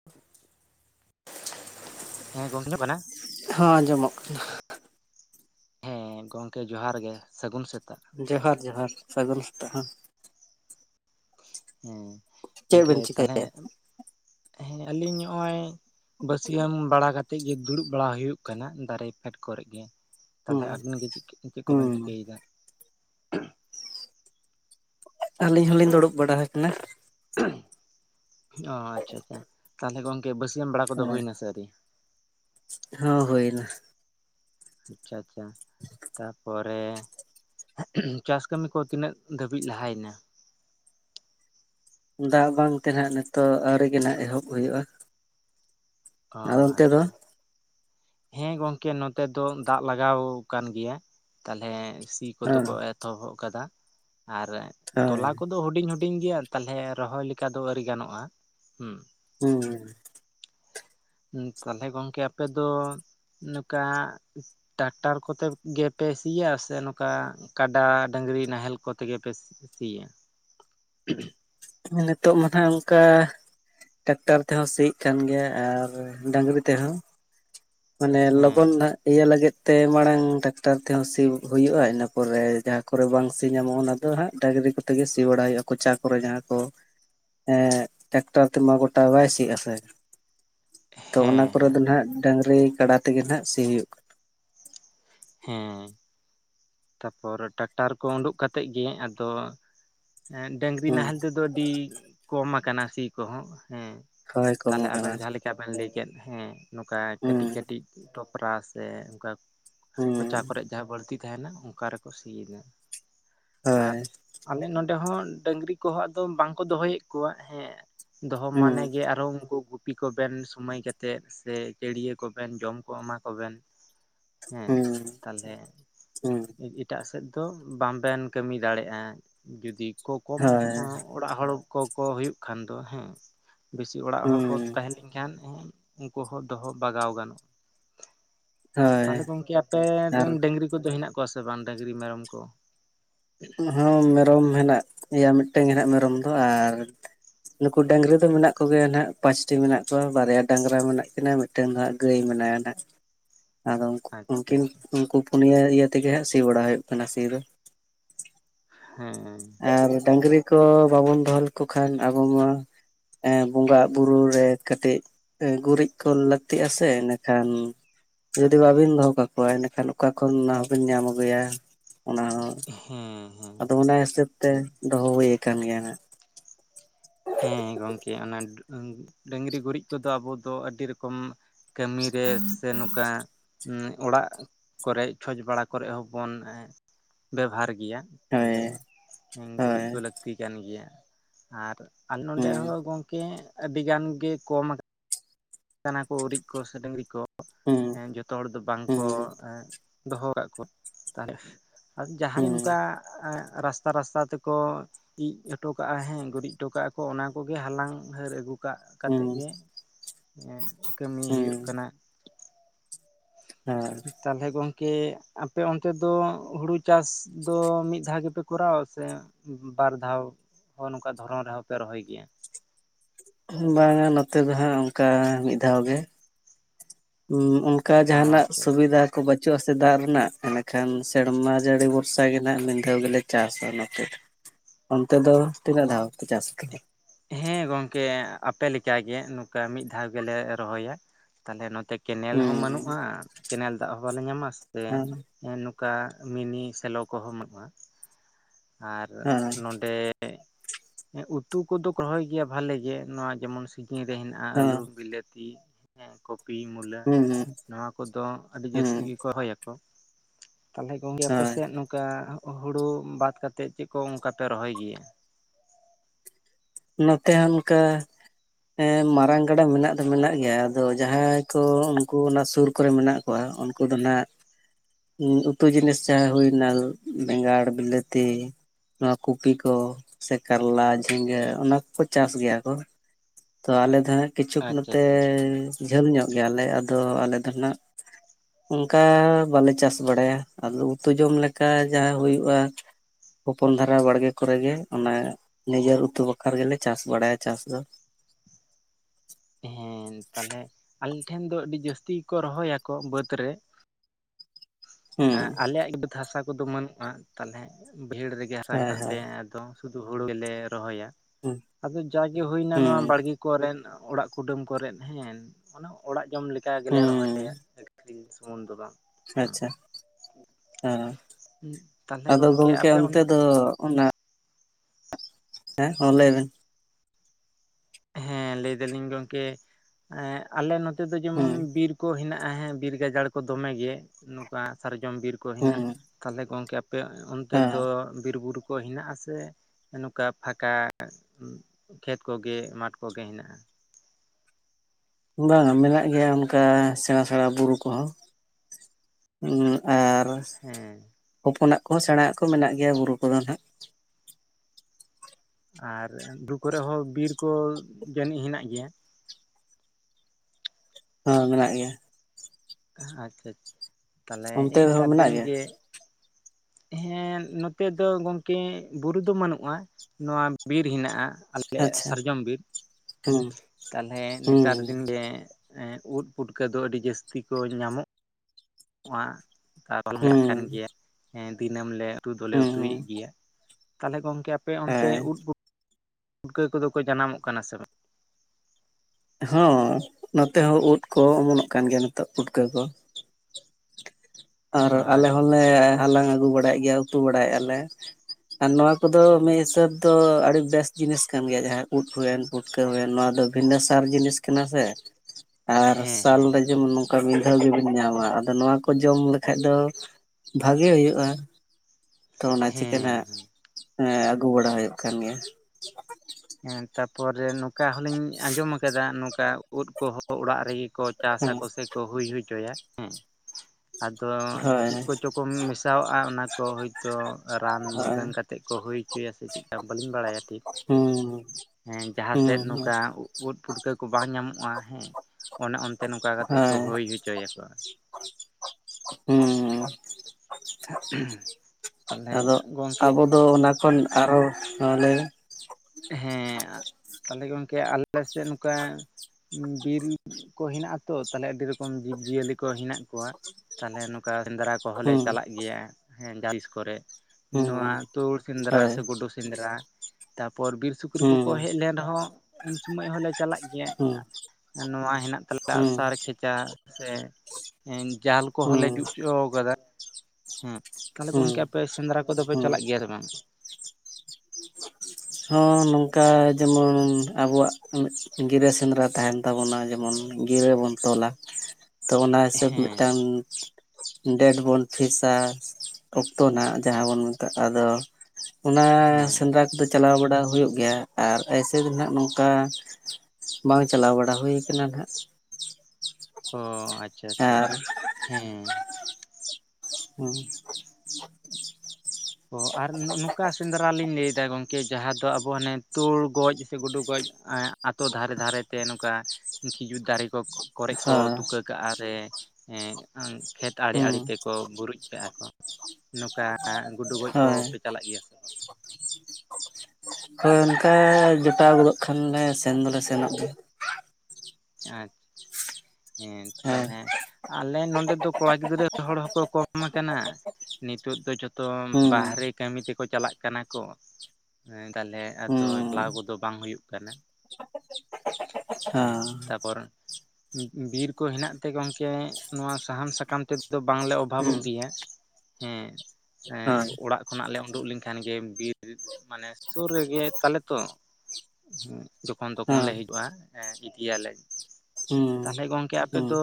ᱡᱦᱮᱱ ᱦᱮᱸ ᱜᱚᱝᱠᱮ ᱟᱡᱚᱢ ᱠᱟᱱᱟ ᱦᱚᱸ ᱟᱸᱡᱚᱢᱚᱜ ᱠᱟᱱᱟ ᱦᱮᱸ ᱜᱚᱝᱠᱮ ᱡᱚᱦᱟᱨ ᱜᱮ ᱥᱟᱹᱜᱩᱱ ᱥᱮᱛᱟᱜ ᱡᱚᱦᱟᱨ ᱡᱚᱦᱟᱨ ᱥᱟᱹᱜᱩᱱ ᱥᱮᱛᱟᱜ ᱦᱚᱸ ᱦᱩᱸ ᱪᱮᱫ ᱜᱚᱝᱠᱮ ᱵᱮᱱ ᱛᱟᱦᱞᱮ ᱪᱤᱠᱟᱹᱭᱮᱫᱼᱟ ᱛᱤᱦᱤᱧ ᱟᱹᱞᱤᱧ ᱱᱚᱜ-ᱚᱭ ᱵᱟᱹᱥᱭᱟᱹᱢ ᱵᱟᱲᱟ ᱠᱟᱛᱮᱜ ᱜᱮ ᱫᱩᱲᱩᱵ ᱵᱟᱲᱟ ᱦᱩᱭᱩᱜ ᱠᱟᱱᱟ ᱫᱟᱨᱮ ᱯᱷᱮᱰ ᱠᱚᱨᱮ ᱜᱮ ᱛᱟᱦᱞᱮ ᱦᱩᱸ ᱟᱵᱤᱱ ᱜᱮ ᱪᱮᱫ ᱦᱩᱸ ᱠᱚᱵᱮᱱ ᱪᱤᱠᱟᱹᱭ ᱫᱟ ᱟᱹᱞᱤᱧ ᱦᱚᱞᱤᱧ ᱫᱩᱲᱩᱵ ᱵᱟᱲᱟ ᱟᱠᱟᱱᱟ ᱚ ᱟᱪᱪᱷᱟ ᱟᱪᱪᱷᱟ ᱛᱟᱦᱞᱮ ᱜᱚᱝᱠᱮ ᱵᱟᱹᱥᱤᱭᱟᱹᱢ ᱵᱟᱲᱟ ᱠᱚᱫᱚ ᱦᱩᱭᱱᱟ ᱥᱮ ᱟᱹᱣᱨᱤ ᱦᱚᱸ ᱦᱚᱭᱮᱱᱟ ᱟᱪᱪᱷᱟ ᱟᱪᱪᱷᱟ ᱛᱟᱨᱯᱚᱨ ᱛᱟᱦᱞᱮ ᱪᱟᱥ ᱠᱟᱹᱢᱤ ᱠᱚ ᱛᱤᱱᱟᱹᱜ ᱫᱷᱟᱹᱵᱤᱡ ᱞᱟᱦᱟᱭᱮᱱᱟ ᱫᱟᱜ ᱵᱟᱝ ᱛᱮ ᱱᱟᱦᱟ ᱱᱤᱛᱚᱜ ᱟᱹᱣᱨᱤᱜᱮ ᱱᱟᱦᱟᱜ ᱮᱦᱚᱵ ᱦᱩᱭᱩᱜᱼᱟ ᱚ ᱟᱫᱚ ᱚᱱᱛᱮ ᱫᱚ ᱟᱪᱪᱷᱟ ᱦᱮᱸ ᱜᱚᱝᱠᱮ ᱱᱚᱛᱮ ᱫᱚ ᱫᱟᱜ ᱞᱟᱜᱟᱣ ᱟᱠᱟᱱ ᱜᱮᱭᱟ ᱛᱟᱞᱦᱮ ᱥᱤ ᱠᱚᱫᱚ ᱦᱮᱸ ᱠᱚ ᱮ ᱛᱚᱦᱚᱵ ᱟᱠᱟᱫᱟ ᱟᱨ ᱦᱳᱭ ᱛᱚᱞᱟ ᱠᱚᱫᱚ ᱦᱩᱰᱤᱧ ᱦᱩᱰᱤᱧ ᱜᱮᱭᱟ ᱛᱟᱞᱦᱮ ᱨᱚᱦᱚᱭ ᱞᱮᱠᱟ ᱫᱚ ᱟᱹᱣᱨᱤ ᱜᱟᱱᱚᱜᱼᱟ ᱦᱚᱢ ᱦᱩᱸ ᱛᱟᱦᱞᱮ ᱜᱚᱝᱠᱮ ᱟᱯᱮ ᱫᱚ ᱱᱚᱠᱟ ᱴᱨᱟᱠᱴᱟᱨ ᱠᱚᱛᱮ ᱜᱮᱯᱮ ᱥᱤᱭᱟ ᱥᱮ ᱱᱚᱠᱟ ᱠᱟᱰᱟ ᱰᱟᱹᱝᱨᱤ ᱱᱟᱦᱮᱞ ᱠᱚᱛᱮᱜᱮᱯᱮ ᱥᱤᱭᱟ ᱥᱤᱭᱟ ᱱᱤᱛᱚᱜ ᱢᱟ ᱱᱟᱦᱟᱜ ᱚᱱᱠᱟ ᱴᱮᱠᱴᱟᱨ ᱛᱮᱦᱚᱸ ᱥᱤᱜ ᱠᱟᱱ ᱜᱮᱭᱟ ᱟᱨ ᱰᱟᱝᱨᱤ ᱛᱮᱦᱚᱸ ᱢᱟᱱᱮ ᱞᱚᱜᱚᱱ ᱦᱮᱸ ᱦᱟᱜ ᱤᱭᱟᱹ ᱞᱟᱹᱜᱤᱫ ᱛᱮ ᱢᱟᱲᱟᱝ ᱴᱟᱠᱴᱟᱨ ᱛᱮᱦᱚ ᱥᱤ ᱦᱩᱭᱩᱜᱼᱟ ᱤᱱᱟᱹ ᱯᱚᱨᱮ ᱡᱟᱦᱟᱸ ᱠᱚᱨᱮ ᱵᱟᱝ ᱥᱤ ᱧᱟᱢᱚᱜᱼᱟ ᱚᱱᱟ ᱫᱚ ᱦᱟᱸᱜ ᱰᱟᱹᱝᱨᱤ ᱠᱚᱛᱮ ᱜᱮ ᱥᱤ ᱵᱟᱲᱟᱭ ᱦᱩᱭᱩᱜᱼᱟ ᱠᱚᱪᱟ ᱠᱚᱨᱮ ᱡᱟᱦᱟᱸ ᱴᱨᱮᱠᱴᱟᱨ ᱛᱮᱢᱟ ᱜᱚᱴᱟ ᱵᱟᱭ ᱥᱤ ᱟᱥᱮ ᱛᱚ ᱚᱱᱟ ᱦᱮᱸ ᱠᱚᱨᱮ ᱦᱮᱸ ᱫᱚ ᱦᱟᱸᱜ ᱰᱟᱹᱝᱨᱤ ᱠᱟᱰᱟ ᱛᱮᱜᱮ ᱦᱟᱸᱜ ᱥᱤ ᱦᱩᱭᱩᱜ ᱠᱟᱱᱟ ᱦᱮᱸ ᱛᱟᱯᱚᱨ ᱴᱨᱮᱠᱴᱟᱨ ᱠᱚ ᱩᱰᱩᱜ ᱠᱟᱛᱮᱜ ᱜᱮ ᱟᱫᱚ ᱰᱟᱹᱝᱨᱤ ᱦᱩᱸ ᱱᱟᱦᱮᱞ ᱛᱮᱫᱚ ᱟᱹᱰᱤ ᱠᱚᱢ ᱟᱠᱟᱱᱟ ᱥᱤ ᱠᱚᱦᱚᱸ ᱦᱮᱸ ᱦᱳᱭ ᱠᱚᱢ ᱛᱟᱦᱚᱞᱮ ᱟᱠᱟᱱᱟ ᱟᱵᱮᱱ ᱡᱟᱦᱟᱸ [unintelligible] ᱵᱮᱱ ᱞᱟᱹᱭ ᱠᱮᱫ ᱦᱮᱸ ᱱᱚᱝᱠᱟ ᱠᱟᱹᱴᱤᱡ ᱦᱩᱸ ᱠᱟᱹᱴᱤᱡ ᱴᱚᱯᱨᱟ ᱥᱮ ᱚᱱᱠᱟ ᱦᱩᱸ ᱠᱚᱪᱟ ᱠᱚᱨᱮ ᱡᱟᱦᱟᱸ ᱵᱟᱹᱲᱛᱤ ᱛᱟᱦᱮᱸᱱᱟ ᱚᱱᱠᱟ ᱨᱮᱠᱚ ᱥᱤᱭᱮᱫᱟ ᱦᱳᱭ ᱟᱨ ᱟᱞᱮ ᱱᱚᱰᱮ ᱨᱮᱦᱚᱸ ᱰᱟᱹᱝᱨᱤ ᱠᱚᱦᱚᱸ ᱟᱫᱚ ᱵᱟᱝᱠᱚ ᱫᱚᱦᱚᱭᱮᱫ ᱠᱚᱣᱟ ᱦᱮᱸ ᱫᱚᱦᱚ ᱦᱩᱸ ᱢᱟᱱᱮ ᱜᱮ ᱟᱨᱦᱚᱸ ᱩᱱᱠᱩ ᱜᱩᱯᱤ ᱠᱚᱵᱮᱱ ᱥᱚᱢᱚᱭ ᱠᱟᱛᱮᱜ ᱥᱮ ᱪᱤᱲᱭᱟᱹ ᱠᱚᱵᱮᱱ ᱡᱚᱢ ᱠᱚ ᱮᱢᱟ ᱠᱚᱵᱮᱱ ᱦᱮᱸ ᱦᱩᱸ ᱛᱟᱦᱞᱮ ᱦᱩᱸ ᱮᱴᱟᱜ ᱥᱮᱫ ᱛᱚ ᱵᱟᱵᱮᱱ ᱠᱟᱹᱢᱤ ᱫᱟᱲᱮᱜᱼᱟ ᱡᱩᱫᱤ ᱠᱚ ᱠᱚᱢ ᱦᱳᱭ ᱦᱚᱸ ᱚᱲᱟᱜ ᱦᱚᱲ ᱠᱚᱠᱚ ᱦᱩᱭᱩᱜ ᱠᱷᱟᱱ ᱫᱚ ᱦᱮᱸ ᱵᱮᱥᱤ ᱚᱲᱟᱜ ᱦᱚᱲ ᱠᱚ ᱦᱩᱸ ᱛᱟᱦᱮᱸ ᱞᱮᱱ ᱠᱷᱟᱱ ᱠᱷᱟᱱ [unintelligible] ᱩᱱᱠᱩ ᱦᱚᱸ ᱫᱚᱦᱚ ᱵᱟᱜᱟᱣ ᱜᱟᱱᱚᱜᱼᱟ ᱦᱳᱭ ᱛᱟᱦᱚᱞᱮ ᱜᱚᱢᱠᱮ ᱟᱯᱮ ᱟᱨ ᱨᱮᱱ ᱰᱟᱹᱝᱨᱤ ᱠᱚᱫᱚ ᱦᱮᱱᱟᱜ ᱠᱚᱣᱟ ᱥᱮ ᱵᱟᱝ ᱰᱟᱹᱝᱨᱤ ᱢᱮᱨᱚᱢ ᱠᱚ ᱦᱮᱸ ᱢᱮᱨᱚᱢ ᱦᱮᱱᱟᱜ ᱜᱮᱭᱟ ᱢᱤᱫᱴᱟᱝ ᱦᱮᱱᱟᱜ ᱢᱮᱨᱚᱢ ᱫᱚ ᱟᱨ ᱱᱩᱠᱩ ᱰᱟᱹᱝᱨᱤ ᱫᱚ ᱢᱮᱱᱟᱜ ᱠᱚᱜᱮᱭᱟ ᱱᱟᱦᱟᱸᱜ ᱯᱟᱸᱪᱴᱤ ᱢᱮᱱᱟᱜ ᱠᱚᱣᱟ ᱵᱟᱨᱭᱟ ᱰᱟᱝᱨᱟ ᱢᱮᱱᱟᱜ ᱠᱤᱱᱟᱹ ᱢᱤᱫ ᱴᱮᱝ ᱫᱚ ᱦᱟᱸᱜ ᱜᱟᱹᱭ ᱢᱮᱱᱟᱭᱟ ᱦᱟᱸᱜ ᱟᱫᱚ ᱟᱪᱪᱷᱟ ᱩᱱᱠᱤᱱ ᱟᱪᱪᱷᱟ ᱩᱱᱠᱩ ᱯᱩᱱᱭᱟᱹ ᱤᱭᱟᱹ ᱛᱮᱜᱮ ᱦᱟᱸᱜ ᱥᱤ ᱵᱟᱲᱟ ᱦᱩᱭᱩᱜ ᱠᱟᱱᱟ ᱥᱤ ᱫᱚ ᱦᱮᱸ ᱟᱨ ᱰᱟᱹᱝᱨᱤ ᱠᱚ ᱵᱟᱵᱚᱱ ᱫᱚᱦᱚ ᱞᱮᱠᱚ ᱠᱷᱟᱱ ᱟᱵᱚ ᱢᱟ ᱵᱚᱸᱜᱟ ᱵᱩᱨᱩ ᱨᱮ ᱠᱟᱹᱴᱤᱡ ᱜᱩᱨᱤᱡ ᱠᱚ ᱞᱟᱹᱠᱛᱤᱜᱼᱟ ᱥᱮ ᱤᱱᱟᱹᱠᱷᱟᱱ ᱡᱩᱫᱤ ᱵᱟᱵᱮᱱ ᱫᱚᱦᱚ ᱠᱟᱠᱚᱣᱟ ᱮᱱᱟᱹᱠᱷᱟᱱ ᱚᱠᱟ ᱠᱷᱚᱱ ᱚᱱᱟ ᱦᱚᱸᱵᱮᱱ ᱧᱟᱢ ᱟᱹᱜᱩᱭᱟ ᱚᱱᱟ ᱦᱚᱸ ᱦᱮᱸ ᱦᱮᱸ ᱟᱫᱚ ᱚᱱᱟ ᱦᱤᱥᱟᱹᱵ ᱦᱮᱸ ᱛᱮ ᱫᱚᱦᱚ ᱦᱩᱭᱩ ᱟᱠᱟᱱ ᱜᱮᱭᱟ ᱦᱟᱸᱜ ᱦᱮᱸ ᱜᱚᱢᱠᱮ ᱚᱱᱟ ᱰᱟᱹᱝᱨᱤ ᱜᱩᱨᱤᱡ ᱠᱚᱫᱚ ᱟᱵᱚ ᱫᱚ ᱟᱹᱰᱤ ᱨᱚᱠᱚᱢ ᱠᱟᱹᱢᱮ ᱨᱮ ᱥᱮ ᱱᱚᱝᱠᱟ ᱚᱲᱟᱜ ᱠᱚᱨᱮ ᱪᱷᱚᱸᱪ ᱵᱟᱲᱟ ᱠᱚᱨᱮ ᱦᱚᱸᱵᱚᱱ ᱵᱮᱵᱷᱟᱨ ᱜᱮᱭᱟ ᱦᱳᱭ ᱛᱟᱦᱚᱞᱮ ᱦᱳᱭ ᱜᱩᱨᱤᱡ ᱫᱚ ᱞᱟᱹᱠᱛᱤ ᱠᱟᱱ ᱜᱮᱭᱟ ᱟᱨ ᱟᱨ ᱱᱚᱰᱮ ᱦᱩᱸ ᱦᱚᱸ ᱜᱚᱢᱠᱮ ᱟᱹᱰᱤ ᱜᱟᱱ ᱜᱮ ᱠᱚᱢ ᱟᱠᱟᱱᱟ ᱟᱠᱟᱱᱟ ᱠᱚ ᱜᱩᱨᱤᱡ ᱠᱚ ᱥᱮ ᱰᱟᱹᱝᱨᱤ ᱠᱚ ᱦᱩᱸ ᱡᱚᱛᱚ ᱦᱚᱲ ᱫᱚ ᱦᱩᱸ ᱵᱟᱝᱠᱚ ᱫᱚᱦᱚ ᱣᱟᱠᱟᱜ ᱠᱚ ᱛᱟᱦᱚᱞᱮ ᱡᱟᱦᱟᱸᱭ ᱦᱩᱸ ᱱᱚᱝᱠᱟ ᱨᱟᱥᱛᱟ ᱨᱟᱥᱛᱟ ᱨᱟᱥᱛᱟ ᱛᱮᱠᱚ ᱤᱡ ᱚᱴᱚ ᱠᱟᱜᱼᱟ ᱦᱮᱸ ᱜᱩᱨᱤᱡ ᱚᱴᱚ ᱠᱟᱜᱼᱟ ᱠᱚ ᱚᱱᱟ ᱠᱚᱜᱮ ᱦᱟᱞᱟᱝ ᱦᱟᱹᱨ ᱟᱹᱜᱩ ᱠᱟᱜ ᱠᱟᱛᱮᱜ ᱦᱩᱸ ᱜᱮ ᱠᱟᱹᱢᱤ ᱦᱩᱭᱩᱜ ᱠᱟᱱᱟ ᱦᱮᱸ ᱛᱟᱦᱚᱞᱮ ᱜᱚᱢᱠᱮ ᱟᱯᱮ ᱚᱱᱛᱮ ᱫᱚ ᱦᱩᱲᱩ ᱪᱟᱥ ᱫᱚ ᱢᱤᱫ ᱫᱷᱟᱣ ᱜᱮᱯᱮ ᱠᱚᱨᱟᱣᱟ ᱥᱮ ᱵᱟᱨ ᱫᱷᱟᱣ ᱦᱚᱸ ᱱᱚᱝᱠᱟ ᱫᱷᱚᱨᱚᱱ ᱨᱮᱦᱚᱸ ᱯᱮ ᱨᱚᱦᱚᱭ ᱜᱮᱭᱟ? ᱵᱟᱝᱟ ᱱᱚᱛᱮ ᱫᱚ ᱦᱟᱸᱜ ᱚᱱᱠᱟ ᱢᱤᱫ ᱫᱷᱟᱣ ᱜᱮ᱾ ᱚᱱᱠᱟ ᱚ ᱡᱟᱦᱟᱸᱱᱟᱜ ᱟᱪᱪᱷᱟ ᱟᱪᱪᱷᱟ ᱥᱩᱵᱤᱫᱟ ᱠᱚ ᱵᱟᱹᱪᱩᱜᱼᱟ ᱥᱮ ᱫᱟᱜ ᱨᱮᱱᱟᱜ ᱮᱸᱰᱮᱠᱷᱟᱱ ᱥᱮᱨᱢᱟ ᱡᱟᱹᱲᱤ ᱵᱷᱚᱨᱥᱟ ᱜᱮ ᱱᱟᱜ ᱢᱤᱫ ᱫᱷᱟᱣ ᱜᱮᱞᱮ ᱪᱟᱥᱟ ᱱᱚᱛᱮ ᱚᱱᱛᱮ ᱫᱚ ᱛᱤᱱᱟᱹᱜ ᱫᱷᱟᱣ ᱯᱮ ᱪᱟᱥᱟ? ᱦᱮᱸ ᱜᱚᱝᱠᱮ ᱟᱯᱮ ᱞᱮᱠᱟᱜᱮ ᱜᱮ ᱱᱚᱝᱠᱟ, ᱢᱤᱫ ᱫᱷᱟᱣ ᱜᱮᱞᱮ ᱨᱚᱦᱚᱭᱟ᱾ ᱛᱟᱦᱚᱞᱮ ᱱᱚᱛᱮ ᱠᱮᱱᱮᱞ ᱦᱮᱸ ᱦᱚᱸ ᱵᱟᱹᱱᱩᱜᱼᱟ, ᱥᱮ ᱠᱮᱱᱮᱞ ᱫᱟᱜ ᱦᱚᱸ ᱵᱟᱞᱮ ᱧᱟᱢᱟ, ᱥᱮ ᱦᱮᱸ ᱦᱮᱸ ᱱᱚᱝᱠᱟ ᱢᱤᱱᱤ ᱥᱮᱞᱚ ᱠᱚᱦᱚᱸ ᱵᱟᱹᱱᱩᱜᱼᱟ ᱟᱨ ᱦᱮᱸ ᱱᱚᱸᱰᱮ ᱩᱛᱩ ᱠᱚᱫᱚ ᱠᱚ ᱨᱚᱦᱚᱭ ᱜᱮᱭᱟ ᱵᱷᱟᱞᱮ ᱜᱮ ᱱᱚᱣᱟ ᱡᱮᱢᱚᱱ ᱥᱤᱡ ᱡᱤᱱ ᱨᱮ ᱦᱮᱱᱟᱜᱼᱟ ᱟᱹᱞᱩ ᱵᱤᱞᱟᱹᱛᱤ᱾ ᱦᱮᱸ ᱠᱚᱯᱤ ᱢᱩᱞᱟᱹ, ᱦᱮᱸ ᱱᱚᱣᱟ ᱠᱚᱫᱚ ᱟᱹᱰᱤ ᱡᱟᱹᱥᱛᱤ ᱦᱮᱸ ᱜᱮᱠᱚ ᱨᱚᱦᱚ ᱭᱟᱠᱚ᱾ ᱛᱟᱦᱚᱞᱮ ᱜᱚᱢᱠᱮ ᱦᱳᱭ ᱟᱯᱮᱥᱮᱜ ᱱᱚᱝᱠᱟ, ᱦᱳᱳᱩ ᱵᱟᱫᱽ ᱠᱟᱛᱮᱜ ᱪᱮᱫ ᱠᱚ ᱚᱱᱠᱟ ᱯᱮ ᱨᱚᱦᱚᱭ ᱜᱮᱭᱟ? ᱱᱚᱛᱮ ᱦᱚᱸ ᱚᱱᱠᱟ ᱦᱮᱸ ᱢᱟᱨᱟᱝ ᱜᱟᱰᱟ ᱢᱮᱱᱟᱜ ᱫᱚ ᱢᱮᱱᱟᱜ ᱜᱮᱭᱟ, ᱟᱫᱚ ᱡᱟᱦᱟᱸᱭ ᱠᱚ ᱩᱱᱠᱩ ᱚᱱᱟ ᱥᱩᱨ ᱠᱚᱨᱮ ᱢᱮᱱᱟᱜ ᱠᱚ ᱠᱚᱣᱟ ᱩᱱᱠᱩ ᱫᱚ ᱱᱟᱦᱟᱜ ᱩᱛᱩ ᱡᱤᱱᱤᱥ ᱡᱟᱦᱟᱸ ᱦᱩᱭᱱᱟ ᱵᱮᱸᱜᱟᱲ ᱵᱤᱞᱟᱹᱛᱤ ᱱᱚᱣᱟ ᱠᱩᱯᱤ ᱠᱚ ᱥᱮ ᱠᱟᱨᱞᱟ, ᱡᱷᱤᱸᱜᱟᱹ ᱚᱱᱟ ᱠᱚᱠᱚ ᱪᱟᱥ ᱜᱮᱭᱟ ᱠᱚ, ᱛᱚ ᱟᱞᱮ ᱫᱚ ᱦᱟᱜ ᱠᱤᱪᱷᱩ ᱟᱪᱪᱷᱟ ᱱᱚᱛᱮ ᱟᱪᱪᱷᱟ ᱡᱷᱟᱹᱞ ᱧᱚᱜ ᱜᱮᱭᱟᱞᱮ ᱟᱫᱚ ᱟᱞᱮ ᱫᱚ ᱱᱟᱜ ᱚᱱᱠᱟ ᱵᱟᱞᱮ ᱪᱟᱥ ᱵᱟᱲᱟᱭᱟ, ᱟᱫᱚ ᱩᱛᱩ ᱡᱚᱢ ᱞᱮᱠᱟ ᱡᱟᱦᱟᱸ ᱦᱩᱭᱩᱜᱼᱟ᱾ ᱦᱚᱯᱚᱱ ᱫᱷᱟᱨᱟ ᱵᱟᱲᱜᱮ ᱠᱚᱨᱮ ᱜᱮ, ᱚᱱᱟ ᱱᱤᱡᱮᱨ ᱩᱛᱩ ᱵᱟᱠᱷᱨᱟ ᱜᱮᱞᱮ ᱪᱟᱥ ᱵᱟᱲᱟᱭᱟ ᱪᱟᱥ ᱫᱚ᱾ ᱦᱮᱸ ᱛᱟᱞᱦᱮ ᱟᱞᱮ ᱴᱷᱮᱱ ᱫᱚ ᱟᱹᱰᱤ ᱡᱟᱹᱟᱥᱛᱤ ᱜᱮᱠᱚ ᱨᱚᱦᱚᱭᱟ ᱠᱚ ᱵᱟᱹᱫᱽ ᱨᱮ᱾ ᱦᱩᱸ ᱟᱞᱮᱭᱟᱜ ᱵᱟᱹᱫᱽ ᱦᱟᱥᱟ ᱠᱚᱫᱚ ᱵᱟᱹᱱᱩᱜᱼᱟ, ᱛᱟᱞᱦᱮ ᱵᱟᱹᱭᱦᱟᱹᱲ ᱨᱮᱜᱮ ᱦᱟᱥᱟ ᱦᱳᱭ ᱦᱮᱱᱟᱜ ᱛᱮ ᱦᱳᱭ ᱟᱫᱚ ᱥᱩᱫᱩ ᱦᱳᱲᱩ ᱜᱮᱞᱮ ᱨᱚᱦᱚᱭᱟ ᱦᱩᱸ ᱟᱫᱚ ᱡᱟᱜᱮ ᱦᱩᱭᱱᱟ ᱦᱩᱸ ᱱᱚᱣᱟ ᱵᱟᱲᱜᱮ ᱠᱚᱨᱮᱱ ᱚᱲᱟᱜ ᱠᱚᱨᱮ ᱠᱩᱰᱟᱹᱢ ᱠᱚᱨᱮᱱ ᱦᱮᱸ ᱚᱱᱟᱮ ᱚᱲᱟᱜ ᱡᱚᱢ ᱞᱮᱠᱟ ᱜᱮᱞᱮ ᱦᱩᱸ ᱨᱚᱦᱚᱭᱟ, ᱟᱹᱠᱷᱨᱤ ᱥᱩᱢᱩᱝ ᱫᱚ ᱵᱟᱝ? ᱟᱪᱪᱷᱟ, ᱦᱮᱸ ᱟᱫᱚ ᱜᱚᱝᱠᱮ ᱚᱱᱛᱮ ᱫᱚ ᱚᱱᱟ ᱦᱮᱸᱻ ᱚᱻ ᱞᱟᱹᱭ ᱵᱮᱱ᱾ ᱦᱮᱸ ᱞᱟᱹᱭ ᱫᱟᱞᱤᱧ ᱜᱚᱝᱠᱮ ᱟᱞᱮ ᱱᱚᱛ ᱱᱚᱛᱮ ᱫᱚ ᱡᱮᱢᱚᱱ ᱦᱩᱸ ᱵᱤᱨ ᱠᱚ ᱦᱮᱱᱟᱜᱼᱟ, ᱦᱮᱸ ᱵᱤᱨ ᱜᱟᱡᱟᱲ ᱠᱚ ᱫᱚᱢᱮ ᱜᱮ ᱱᱚᱝᱠᱟ ᱥᱟᱨᱡᱚᱢ ᱵᱤᱨ ᱠᱚ ᱠᱚ ᱦᱮᱱᱟᱜᱼᱟ ᱦᱩᱸ ᱾ᱛᱟᱦᱚᱞᱮ ᱜᱚᱝᱠᱮ ᱟᱯᱮ ᱚᱱᱛᱮ ᱫᱚ ᱦᱮᱸ ᱵᱤᱨ ᱵᱩᱨᱩ ᱠᱚ ᱠᱚ ᱦᱮᱱᱟᱜᱼᱟᱥᱮ, ᱱᱚᱝᱠᱟ ᱯᱷᱟᱠᱟ ᱠᱷᱮᱛ ᱠᱚ? ᱜᱮ ᱢᱟᱴ ᱠᱚᱜᱮ ᱦᱮᱱᱟᱜᱼᱟ? ᱵᱟᱝᱟ ᱢᱮᱱᱟᱜ ᱜᱮᱭᱟ ᱚᱱᱠᱟ ᱥᱮᱬᱟ ᱥᱮᱬᱟ ᱵᱩᱨᱩ ᱠᱚᱦᱚᱸ᱾ ᱩᱸᱻᱟᱨ ᱦᱮᱸᱻ᱾ ᱦᱚᱯᱚᱱᱟᱜ ᱠᱚᱦᱚᱸ ᱥᱮᱬᱟᱟᱜ ᱠᱚ ᱢᱮᱱᱟᱜ ᱜᱮᱭᱟ ᱵᱩᱨᱩ ᱠᱚᱫᱚ ᱱᱟᱦᱟᱜ᱾ ᱟᱨ ᱵᱩᱨᱩ ᱠᱚᱨᱮ ᱦᱚᱸ ᱵᱤᱨ ᱠᱚ ᱡᱟᱹᱱᱤᱡ ᱦᱮᱱᱟᱜ ᱜᱮᱭᱟ? ᱦᱮᱸ ᱢᱮᱱᱟᱜ ᱜᱮᱭᱟ᱾ ᱟᱪᱪᱷᱟ ᱛᱟᱞᱦᱮ ᱚᱱᱛᱮ ᱮᱱᱛᱟ ᱦᱚᱸ ᱢᱮᱱᱟᱜ ᱫᱤᱱ ᱜᱮᱭᱟ ᱜᱮ [inaudible] ᱦᱮᱸ ᱱᱚᱛᱮ ᱫᱚ ᱜᱚᱝᱠᱮ ᱵᱩᱨᱩ ᱫᱚ ᱵᱟᱹᱱᱩᱜᱼᱟ, ᱱᱚᱣᱟ ᱵᱤᱨ ᱦᱮᱱᱟᱜᱼᱟ᱾ ᱟᱞᱮ ᱟᱪᱪᱷᱟ ᱥᱟᱨᱡᱚᱢ ᱵᱤᱨ, ᱦᱩᱸ ᱛᱟᱞᱦᱮ ᱦᱩᱸ ᱱᱮᱛᱟᱨ ᱫᱤᱱ ᱜᱮ ᱩᱫ ᱯᱩᱴᱠᱟᱹ ᱫᱚ, ᱟᱹᱰᱤ ᱡᱟᱹᱥᱛᱤ ᱠᱚ ᱧᱟᱢᱚᱜ ᱟ ᱟᱨ ᱦᱩᱸ ᱠᱟᱱ ᱜᱮᱭᱟ, ᱦᱮᱸ ᱫᱤᱱᱟᱹᱢ ᱞᱮ ᱩᱛᱩ ᱫᱚᱞᱮ ᱦᱩᱸ ᱦᱩᱸ ᱩᱛᱩᱭᱮᱜ ᱜᱮᱭᱟ᱾ ᱛᱟᱞᱦᱮ ᱜᱚᱝᱠᱮ ᱟᱯᱮ ᱚᱱᱛᱮ ᱦᱮᱸ ᱩᱫ ᱯᱩᱴᱠᱟᱹ ᱠᱚᱫᱚ ᱠᱚ ᱡᱟᱱᱟᱢᱚᱜ ᱠᱟᱱᱟ ᱥᱮ ᱵᱟᱝ? ᱦᱚᱸ ᱱᱚᱛᱮ ᱦᱚᱸ ᱩᱫ ᱠᱚ, ᱚᱢᱚᱱᱚᱜ ᱠᱟᱱ ᱜᱮᱭᱟ ᱱᱤᱛᱚᱜ ᱯᱩᱴᱠᱟᱹ ᱠᱚ᱾ ᱟᱨ ᱚ ᱟᱞᱮ ᱟᱪᱪᱷᱟ ᱦᱚᱸᱞᱮ ᱦᱟᱞᱟᱝ ᱟᱹᱜᱩ ᱵᱟᱲᱟᱭᱮᱜ ᱜᱮᱭᱟ, ᱩᱛᱩ ᱵᱟᱲᱟᱭᱮᱜᱼᱟ ᱞᱮ᱾ ᱟᱨ ᱱᱚᱣᱟ ᱠᱚᱫᱚ ᱢᱤᱫ ᱦᱤᱥᱟᱹᱵ ᱫᱚ, ᱟᱹᱰᱤ ᱵᱮᱥ ᱡᱤᱱᱤᱥ ᱠᱟᱱ ᱜᱮᱭᱟ, ᱡᱟᱦᱟᱸ ᱩᱫ ᱦᱩᱭᱮᱱ ᱯᱩᱴᱠᱟᱹᱦᱩᱭᱮᱱ, ᱱᱚᱣᱟ ᱫᱚ ᱵᱷᱤᱱᱟᱹ ᱥᱟᱨ ᱡᱤᱱᱤᱥ ᱠᱟᱱᱟ ᱥᱮ᱾ ᱟᱨ ᱦᱮᱸ ᱥᱟᱞ ᱦᱮᱸ ᱨᱮ ᱡᱮᱢᱚᱱ ᱱᱚᱝᱠᱟ ᱢᱤᱫ ᱫᱷᱟᱹᱣ ᱜᱮᱵᱤᱱ ᱧᱟᱢᱟ, ᱟᱫᱚ ᱱᱚᱣᱟ ᱠᱚ ᱡᱚᱢ ᱞᱮᱠᱟ ᱠᱷᱟᱡ ᱫᱚ ᱵᱷᱟᱜᱮ ᱦᱩᱭᱩᱜᱼᱟ ᱛᱚ ᱚᱱᱟ ᱪᱤᱠᱟᱹ ᱦᱮᱸ ᱱᱟᱜ ᱦᱮᱸ ᱟᱹᱜᱩ ᱵᱟᱲᱟ ᱦᱩᱭᱩᱜ ᱠᱟᱱ ᱜᱮᱭᱟ ᱛᱟᱯᱚᱨᱮ ᱱᱚᱝᱠᱟ ᱦᱚᱞᱤᱧ ᱟᱸᱡᱚᱢ ᱟᱠᱟᱫᱟ ᱱᱚᱝᱠᱟ ᱩᱫ ᱠᱚᱦᱚᱸ ᱚᱲᱟᱜ ᱨᱮᱜᱮ ᱠᱚ ᱦᱮᱸ ᱪᱟᱥᱟᱠᱚ ᱥᱮ ᱠᱚ ᱦᱩᱭ ᱦᱚᱪᱚᱭᱟ ᱦᱮᱸ ᱟᱫᱚ ᱦᱳᱭ ᱪᱮᱫ ᱠᱚᱪᱚ ᱠᱚ ᱢᱮᱥᱟᱣᱟᱜᱼᱟ ᱚᱱᱟ ᱠᱚ ᱦᱳᱭᱛᱚ ᱨᱟᱱ ᱦᱳᱭ ᱢᱩᱨᱜᱟᱹᱱ ᱠᱟᱛᱮ ᱠᱚ ᱦᱩᱭ ᱦᱚᱪᱚᱭᱟ ᱥᱮ ᱪᱮᱫᱠᱟ ᱵᱟᱹᱞᱤᱧ ᱵᱟᱲᱟᱭᱟ ᱴᱷᱤᱠ ᱦᱩᱸ ᱦᱮᱸ ᱡᱟᱦᱟᱸ ᱦᱩᱸ ᱥᱮᱫ ᱦᱩᱸ ᱱᱚᱝᱠᱟ ᱩᱫ ᱯᱩᱴᱠᱟᱹ ᱠᱚ ᱵᱟᱝ ᱧᱟᱢᱚᱜᱼᱟ ᱦᱮᱸ ᱚᱱᱮ ᱚᱱᱛᱮ ᱱᱚᱝᱠᱟ ᱠᱟᱛᱮᱫ ᱠᱚ ᱦᱮᱸ ᱦᱩᱭ ᱦᱚᱪᱚᱭᱟᱠᱚ ᱦᱩᱸ ᱦᱮᱸ [unintelligible] ᱟᱫᱚ ᱟᱵᱚ ᱫᱚ ᱚᱱᱟ ᱠᱷᱚᱱ ᱟᱨᱚ ᱦᱮᱸ ᱛᱟᱦᱚᱞᱮ ᱜᱚᱢᱠᱮ ᱟᱞᱮ ᱥᱮᱫ ᱱᱚᱝᱠᱟ ᱵᱤᱨ ᱠᱚ ᱦᱮᱱᱟᱜ ᱟᱛᱚ ᱛᱟᱞᱦᱮ ᱟᱹᱰᱤ ᱨᱚᱠᱚᱢ ᱡᱤᱵᱽ ᱡᱤᱭᱟᱹᱞᱤ ᱠᱚ ᱦᱮᱱᱟᱜ ᱠᱚᱣᱟ ᱛᱟᱞᱦᱮ ᱚᱱᱠᱟ ᱥᱮᱸᱫᱽᱨᱟ ᱠᱚᱦᱚᱸᱞᱮ ᱦᱩᱸ ᱪᱟᱞᱟᱜ ᱜᱮᱭᱟ ᱦᱮᱸ ᱡᱟᱦᱟᱛᱤᱥ ᱠᱚᱨᱮ ᱦᱩᱸ ᱱᱚᱣᱟ ᱛᱩᱲ ᱥᱮᱸᱫᱽᱨᱟ ᱦᱳᱭ ᱥᱮ ᱜᱩᱰᱩ ᱥᱮᱸᱫᱽᱨᱟ ᱯᱚᱨ ᱵᱤᱨ ᱥᱩᱠᱨᱤ ᱦᱩᱸ ᱠᱚᱠᱚ ᱦᱮᱡ ᱞᱮᱱ ᱨᱮᱦᱚᱸ ᱩᱱ ᱥᱚᱢᱚᱭ ᱦᱚᱸᱞᱮ ᱪᱟᱞᱟᱜ ᱜᱮᱭᱟ ᱦᱩᱸ ᱱᱚᱣᱟ ᱦᱮᱱᱟᱜ [inaudible] ᱛᱟᱞᱮᱭᱟ ᱦᱩᱸ ᱥᱟᱨ ᱠᱷᱮᱪᱟ ᱥᱮ ᱮ ᱡᱟᱞ ᱠᱚᱦᱚᱸᱞᱮ ᱦᱩᱸ ᱡᱩᱛ ᱚᱪᱚ ᱠᱟᱫᱟ ᱦᱮᱸ ᱛᱟᱦᱞᱮ ᱦᱩᱸ ᱜᱚᱝᱠᱮ ᱟᱯᱮ ᱥᱮᱸᱫᱽᱨᱟ ᱠᱚᱫᱚᱯᱮ ᱦᱩᱸ ᱪᱟᱞᱟᱜ ᱜᱮᱭᱟ ᱥᱮ ᱵᱟᱝ ᱦᱚᱸ ᱱᱚᱝᱠᱟ ᱡᱮᱢᱚᱱ ᱟᱵᱚᱣᱟᱜ ᱜᱤᱨᱟᱹ ᱥᱮᱸᱫᱽᱨᱟ ᱛᱟᱦᱮᱱ ᱛᱟᱵᱚᱱᱟ ᱡᱮᱢᱚᱱ ᱜᱤᱨᱟᱹ ᱵᱚᱱ ᱛᱚᱞᱟ ᱛᱚ ᱚᱱᱟ ᱦᱤᱥᱟᱹᱵᱽ ᱦᱮᱸ ᱢᱤᱫᱴᱟᱝ ᱰᱮᱴ ᱵᱚᱱ ᱯᱷᱤᱥᱟ ᱚᱠᱛᱚ ᱱᱟᱜ ᱡᱟᱦᱟᱸ ᱵᱚᱱ ᱢᱮᱛᱟᱜ ᱟᱫᱚ ᱚᱱᱟ ᱦᱮᱸ ᱥᱮᱸᱫᱽᱨᱟ ᱠᱚᱫᱚ ᱪᱟᱞᱟᱣ ᱵᱟᱲᱟ ᱦᱩᱭᱩᱜ ᱜᱮᱭᱟ ᱟᱨ ᱮᱭᱥᱮ ᱫᱚᱦᱟᱸᱜ ᱱᱚᱝᱠᱟ ᱵᱟᱝ ᱪᱟᱞᱟᱣ ᱵᱟᱲᱟ ᱦᱩᱭ ᱠᱟᱱᱟ ᱦᱟᱸᱜ ᱚ ᱟᱪᱪᱷᱟ ᱟᱪᱪᱷᱟ ᱟᱨ ᱦᱮᱸ ᱦᱩᱸ ᱚ ᱟᱨ ᱱᱚ ᱱᱚᱝᱠᱟ ᱥᱮᱸᱫᱽᱨᱟ ᱞᱤᱧ ᱞᱟᱹᱭᱮᱫᱟ ᱜᱚᱝᱠᱮ ᱡᱟᱦᱟᱸ ᱫᱚ ᱟᱵᱚ ᱦᱟᱜ ᱛᱩᱲ ᱜᱚᱡ ᱥᱮ ᱜᱩᱰᱩ ᱜᱚᱡ ᱟᱛᱳ ᱫᱷᱟᱨᱮ ᱫᱷᱟᱨᱮ ᱛᱮ ᱱᱚᱝᱠᱟ ᱠᱷᱤᱡᱩᱨ ᱫᱟᱨᱮ ᱠᱚ ᱠᱚᱨᱮ ᱠᱚ ᱦᱳᱭ ᱛᱩᱠᱟᱹ ᱠᱟᱜᱼᱟ ᱥᱮ ᱠᱷᱮᱛ ᱟᱲᱮ ᱦᱩᱸ ᱟᱲᱮ ᱛᱮᱠᱚ ᱵᱩᱨᱩᱡ ᱠᱟᱜᱼᱟ ᱠᱚ ᱱᱚᱝᱠᱟ ᱜᱩᱰᱩ ᱜᱚᱡ ᱦᱳᱭ ᱠᱚᱯᱮ ᱪᱟᱞᱟᱜ ᱜᱮᱭᱟ ᱥᱮ ᱚᱱᱠᱟ ᱡᱚᱴᱟᱣ ᱜᱚᱫᱚᱜ ᱠᱷᱟᱱ ᱞᱮ ᱥᱮᱱ ᱫᱚᱞᱮ ᱥᱮᱱᱚᱜ ᱜᱮᱭᱟ ᱟᱪᱷᱟ ᱦᱮᱸ ᱦᱳᱭ ᱛᱟᱦᱚᱞᱮ ᱟᱞᱮ ᱱᱚᱰᱮ ᱫᱚ ᱠᱚᱲᱟ ᱜᱤᱫᱽᱨᱟᱹ [inaudible] ᱦᱚᱲ ᱦᱚᱸᱠᱚ ᱠᱚᱢ ᱟᱠᱟᱱᱟ ᱱᱤᱛᱚᱜ ᱫᱚ ᱡᱚᱛᱚ ᱛᱚᱢ ᱦᱩᱸ ᱵᱟᱦᱨᱮ ᱠᱟᱹᱢᱤ ᱛᱮᱠᱚ ᱪᱟᱞᱟᱜ ᱠᱟᱱᱟ ᱠᱚ ᱛᱟᱦᱚᱞᱮ ᱟᱫᱚ ᱪᱟᱞᱟᱣ ᱦᱩᱸ ᱠᱚᱫᱚ ᱵᱟᱝ ᱦᱩᱭᱩᱜ ᱠᱟᱱᱟ ᱦᱮᱸ ᱦᱚᱸ ᱛᱟᱨᱯᱚᱨ ᱵᱤᱨ ᱠᱚ ᱦᱮᱱᱟᱜ ᱛᱮ ᱜᱚᱝᱠᱮ ᱱᱚᱣᱟ ᱥᱟᱦᱟᱱ ᱥᱟᱠᱟᱢ ᱛᱮᱫᱚ ᱵᱟᱝᱞᱮ ᱚᱵᱷᱟᱵᱚᱜ ᱦᱩᱸ ᱜᱮᱭᱟ ᱦᱮᱸ ᱮ ᱦᱳᱭ ᱚᱲᱟᱜ ᱠᱷᱚᱱᱟᱜ ᱞᱮ ᱩᱰᱩᱠ ᱞᱮᱱᱠᱷᱟᱱ ᱜᱮ ᱵᱤᱨ ᱢᱟᱱᱮ ᱥᱩᱨ ᱨᱮᱜᱮ ᱛᱟᱞᱮ ᱛᱚ ᱠᱷᱚᱱ ᱛᱚᱠᱷᱚᱱ ᱦᱚᱸ ᱞᱮ ᱦᱤᱡᱩᱜᱼᱟ ᱤᱫᱤᱭᱟᱞᱮ ᱦᱩᱸ ᱛᱟᱦᱞᱮ ᱜᱚᱝᱠᱮ ᱟᱯᱮ ᱦᱩᱸ ᱫᱚ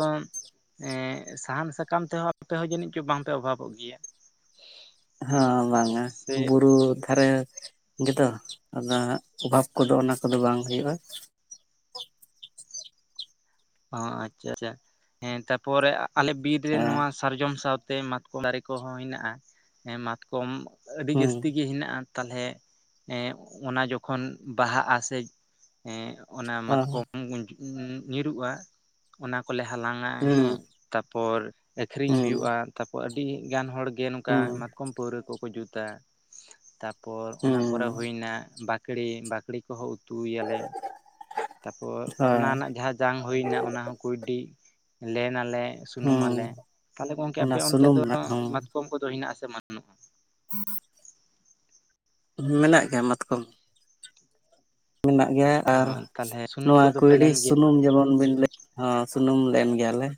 ᱮᱸ ᱥᱟᱦᱟᱱ ᱥᱟᱠᱟᱢ ᱛᱮᱦᱚᱸ ᱟᱯᱮ ᱦᱚᱸ ᱡᱟᱹᱱᱤᱡ ᱪᱚ ᱵᱟᱝᱯᱮ ᱚᱵᱷᱟᱵᱚᱜ ᱜᱮᱭᱟ ᱦᱚ ᱵᱟᱝᱼᱟ ᱥᱮ ᱵᱩᱨᱩ ᱫᱷᱟᱨᱮ ᱜᱮᱛᱚ ᱟᱫᱚ ᱚᱵᱷᱟᱵ ᱠᱚᱫᱚ ᱚᱱᱟ ᱠᱚᱫᱚ ᱵᱟᱝ ᱦᱩᱭᱩᱜᱼᱟ ᱚ ᱟᱪᱪᱷᱟ [inaudible] ᱛᱟᱯᱚᱨ ᱟᱞᱮ ᱵᱤᱨ ᱨᱮ ᱦᱮᱸ ᱱᱚᱣᱟ ᱥᱟᱨᱡᱚᱢ ᱥᱟᱶᱛᱮ ᱢᱟᱛᱠᱚᱢ ᱫᱟᱨᱮ ᱠᱚᱦᱚᱸ ᱦᱮᱱᱟᱜᱼᱟ ᱢᱟᱛᱠᱚᱢ ᱟᱹᱰᱤ ᱦᱩᱸ ᱡᱟᱹᱥᱛᱤ ᱜᱮ ᱦᱮᱱᱟᱜᱼᱟ ᱛᱟᱞᱚᱞᱮ ᱚᱱᱟ ᱡᱚᱠᱷᱚᱱ ᱵᱟᱦᱟᱜᱼᱟ ᱥᱮ ᱮ ᱚᱱᱟ ᱚ ᱢᱟᱛᱠᱚᱢ [inaudible] ᱧᱩᱨᱩᱜᱼᱟ ᱚᱱᱟ ᱠᱚᱞᱮ ᱦᱟᱞᱟᱝᱼᱟ ᱦᱩᱸ ᱦᱮᱸ ᱛᱟᱯᱚᱨ ᱟᱠᱷᱨᱤᱧ ᱦᱩᱸ ᱦᱩᱭᱩᱜᱼᱟ ᱛᱟᱯᱚᱨ ᱟᱹᱰᱤ ᱜᱟᱱ ᱦᱚᱲ ᱜᱮ ᱱᱚᱝᱠᱟ ᱦᱩᱸ ᱢᱟᱛᱠᱚᱢ ᱯᱟᱹᱣᱨᱟᱹ ᱠᱚᱠᱚ ᱡᱩᱛᱟ ᱛᱟᱯᱚᱨ ᱚᱱᱟ ᱦᱩᱸ ᱯᱚᱨᱮ ᱦᱩᱭᱱᱟ ᱵᱟ ᱵᱟᱠᱲᱤ ᱵᱟᱠᱲᱤ ᱠᱚᱦᱚᱸ ᱩᱛᱩᱭᱟᱞᱮ ᱛᱟᱯᱚᱨ ᱦᱳᱭ ᱚᱱᱟ ᱨᱮᱱᱟᱜ ᱡᱟᱦᱟᱸ ᱡᱟᱝ ᱦᱩᱭ ᱱᱟ ᱚᱱᱟ ᱦᱚᱸᱠᱚᱰᱤ ᱞᱮᱱ ᱟᱞᱮ ᱦᱩᱸ ᱥᱩᱱᱩᱢᱟᱞᱮ ᱛᱟᱦᱚᱞᱮ ᱜᱚᱝᱠᱮ ᱚᱱᱟ ᱟᱯᱮ ᱚᱱᱛᱮ ᱥᱩᱱᱩᱢ ᱫᱚ ᱨᱮᱱᱟᱜ ᱦᱚᱸ [inaudible] ᱢᱟᱛᱠᱚᱢ ᱠᱚᱫᱚ ᱦᱮᱱᱟᱜ ᱟᱥᱮ ᱵᱟᱹᱱᱩᱜᱼᱟ᱾ ᱢᱮᱱᱟᱜ ᱜᱮᱭᱟ ᱢᱟᱛᱠᱚᱢ ᱢᱮᱱᱟᱜ ᱜᱮᱭᱟ ᱟᱨ ᱛᱟᱦᱚᱞᱮ ᱥᱩᱱᱩᱢ ᱱᱚᱣᱟ ᱠᱚᱫᱚ ᱯᱮ ᱠᱩᱭᱰᱤ ᱞᱮᱱ ᱜᱮᱭᱟ ᱥᱩᱱᱩᱢ ᱡᱮᱢᱚᱱ ᱵᱤᱱ ᱞᱟᱹᱭ ᱦᱚᱸ ᱥᱩᱱᱩᱢ ᱞᱮᱱ ᱜᱮᱭᱟᱞᱮ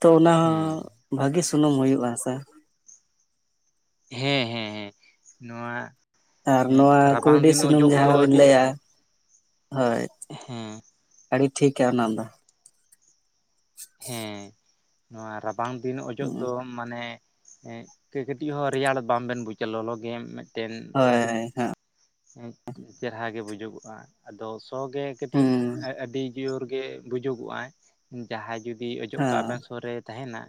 ᱛᱚ ᱚᱱᱟ ᱦᱮᱸ ᱵᱷᱟᱜᱤ ᱥᱩᱱᱩᱢ ᱦᱩᱭᱩᱜᱼᱟ ᱥᱮ ᱦᱮᱸ ᱦᱮᱸ ᱦᱮᱸ ᱱᱚᱣᱟ ᱟᱨ ᱱᱚᱣᱟ ᱨᱟᱵᱟᱝ ᱠᱩᱩᱭᱰᱤ ᱫᱤᱱ ᱥᱩᱱᱩᱢ ᱚᱡᱚᱜ ᱫᱚ ᱡᱟᱦᱟᱸ ᱵᱤᱱ ᱟᱹᱰᱤ ᱞᱟᱹᱭᱟ ᱦᱳᱭ ᱦᱮᱸ ᱟᱹᱰᱤ ᱴᱷᱤᱠᱟ ᱚᱱᱟ ᱫᱚ ᱦᱮᱸ ᱱᱚᱣᱟ ᱨᱟᱵᱟᱝ ᱫᱤᱱ ᱚᱡᱚᱜ ᱦᱩᱸ ᱫᱚ ᱢᱟᱱᱮ ᱠᱟᱹᱴᱤᱡ ᱦᱚᱸ ᱨᱮᱭᱟᱲ ᱵᱟᱵᱮᱱ ᱵᱩᱡᱟ ᱞᱚᱞᱚ ᱜᱮᱢ ᱢᱤᱫᱴᱮᱱ ᱦᱳᱭ ᱟᱹᱰᱤ᱾ ᱦᱮᱸ ᱪᱮᱨᱦᱟ ᱜᱮ ᱵᱩᱡᱩᱜᱚᱜᱼᱟ ᱟᱫᱚ ᱥᱚ ᱜᱮ ᱠᱟᱹᱴᱤᱡ ᱦᱩᱸ ᱟᱹᱰᱤ ᱡᱳᱨ ᱜᱮ ᱵᱩᱡᱩᱜᱚᱜᱼᱟ ᱡᱟᱦᱟᱸᱭ ᱡᱩᱫᱤ ᱚᱡᱚᱜ ᱠᱟᱜ ᱦᱮᱸ ᱟᱵᱮᱱ ᱥᱩᱨ ᱨᱮᱭ ᱛᱟᱦᱮᱱᱟ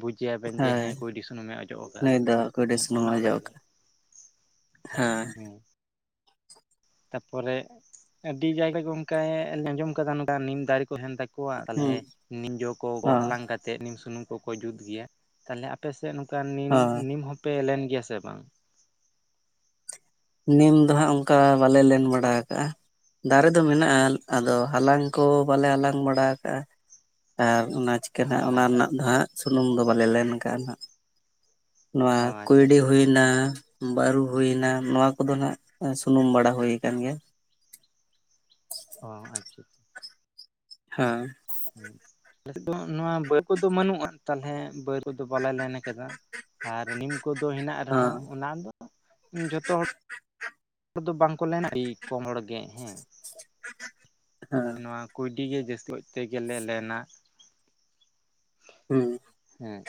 ᱪᱟᱹᱭᱟᱵᱮᱱ ᱡᱮ ᱦᱳᱭ ᱦᱮᱸ ᱠᱩᱭᱰᱤ ᱥᱩᱱᱩᱢᱮ ᱚᱡᱚᱜ ᱟᱠᱟᱫᱮ ᱱᱩᱭ ᱫᱚ ᱠᱩᱭᱰᱤ ᱥᱩᱱᱩᱢ ᱚᱱᱮ ᱚᱡᱚᱜ ᱚᱱᱟᱜᱮ ᱦᱮᱸ ᱛᱟᱯᱚᱨᱮ ᱟᱹᱰᱤ ᱡᱟᱭᱜᱟ ᱜᱮ ᱚᱱᱠᱟᱭ ᱟᱸᱡᱚᱢ ᱟᱠᱟᱫᱟ ᱱᱚᱝᱠᱟ ᱱᱤᱢ ᱫᱟᱨᱮ ᱠᱚ ᱦᱮᱱ ᱛᱟᱠᱚ ᱚᱣᱟᱜ ᱛᱟᱦᱚᱞᱮ ᱦᱩᱸ ᱱᱤᱡᱚ ᱠᱚ ᱦᱚᱸ ᱦᱟᱞᱟᱝ ᱠᱟ ᱠᱟᱛᱮᱫ ᱱᱤᱢ ᱥᱩᱱᱩᱢ ᱠᱚᱠᱚ ᱡᱩᱛ ᱜᱮᱭᱟ ᱛᱟᱦᱚᱞᱮ ᱟᱯᱮᱥᱮᱫ ᱱᱚᱝᱠᱟ ᱱᱤᱢ ᱦᱳᱭ ᱱᱤᱢ ᱦᱚᱸᱯᱮ ᱞᱮᱱ ᱜᱮᱭᱟ ᱥᱮ ᱵᱟᱝ ᱱᱤᱢ ᱫᱚ ᱦᱟᱸᱜ ᱚᱱᱠᱟ ᱵᱟᱞᱮ ᱞᱮᱱ ᱵᱟᱲᱟ ᱟᱠᱟᱜᱼᱟ ᱫᱟᱨᱮ ᱫᱚ ᱢᱮᱱᱟᱜᱼᱟ ᱟᱫᱚ ᱦᱟᱞᱟᱝ ᱠᱚ ᱵᱟᱞᱮ ᱦᱟᱞᱟᱝ ᱵᱟᱲᱟ ᱟᱠᱟᱟᱜᱼᱟ ᱟᱨ ᱚᱱᱟ ᱪᱤᱠᱟᱹ ᱦ ᱚᱱᱟ ᱦᱚᱸ ᱨᱮᱱᱟᱜ ᱫᱚ ᱦᱟᱸᱜ ᱥᱩᱱᱩᱢ ᱫᱚ ᱵᱟᱞᱮ ᱞᱮᱱ ᱠᱟᱜᱼᱟ ᱦᱟᱸᱜ ᱱᱚᱣᱟ ᱚ ᱟᱪᱪᱷᱟ ᱠᱩᱭᱰᱤ ᱟᱪᱪᱷᱟ ᱦᱩᱭᱱᱟ ᱵᱟᱹᱨᱩ ᱦᱩᱭᱱᱟ ᱱᱚᱣ ᱠᱚᱫᱚ ᱱᱟᱜ ᱥᱩᱱᱩᱢ ᱵᱟᱲᱟ ᱦᱩᱭᱩ ᱟᱠᱟᱱ ᱜᱮᱭᱟ᱾ ᱚ ᱟᱪᱪᱷᱟ ᱦᱮᱸ ᱛᱮ ᱫᱚ ᱱᱚᱣᱟ ᱵᱟᱹᱭ ᱠᱚᱫᱚ ᱵᱟᱹᱱᱩᱜᱼᱟ ᱛᱟᱞᱦᱮ ᱵᱟᱹᱭ ᱠᱚᱫᱚ ᱵᱟᱞᱟᱭ ᱞᱮᱱᱟ ᱟᱨ ᱱᱤᱢ ᱠᱚᱫᱚ ᱦᱮᱱᱟᱜ ᱦᱮᱸ ᱨᱮᱦᱚᱸ ᱚᱱᱟ ᱫᱚ ᱡᱷᱚᱛᱚ ᱦᱚᱲ ᱦᱚᱲ ᱫᱚ ᱵᱟᱝᱠᱚ ᱞᱮᱱᱟ ᱟᱹᱰᱤ ᱠᱚᱢ ᱦᱚᱲ ᱜᱮ ᱦᱮᱸ ᱦᱮᱸ ᱛᱟᱦᱞᱮ ᱱᱚᱣᱟ ᱠᱩᱭᱰᱤ ᱜᱮ ᱡᱟᱹᱥᱛᱤ ᱛᱮᱜᱮᱞᱮ ᱞᱮᱱᱟ ᱦᱩᱸ ᱦᱮᱸ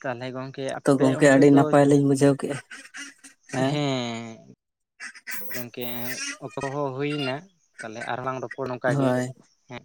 ᱛᱟᱦᱟᱞᱮ ᱜᱚᱝᱠᱮ ᱛᱚ ᱟᱯᱮ ᱜᱚᱝᱠᱮ ᱚᱱᱛᱮ ᱟᱹᱰᱤ ᱫᱚ ᱱᱟᱯᱟᱭ ᱞᱤᱧ ᱵᱩᱡᱷᱟᱹᱣ ᱠᱮᱫᱼᱟ ᱦᱮᱸ ᱜᱚᱝᱠᱮ ᱚᱠᱛᱚ ᱦᱚ ᱦᱩᱭᱱᱟ ᱛᱟᱦᱚᱞᱮ ᱟᱨᱦ ᱞᱝ ᱨᱚᱯᱚᱲ ᱱᱚᱝᱠᱟ ᱜᱮ ᱦᱳᱭ ᱦᱮᱸ